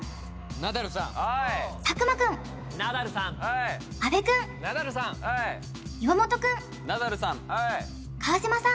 ナダルさん！